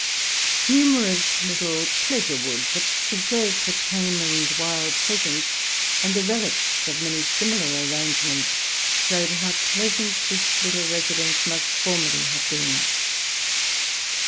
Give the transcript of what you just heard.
Numerous little pleasure woods, a preserve for tame and wild pheasants, and the relics of many similar arrangements, showed how pleasant this little residence must formerly have been.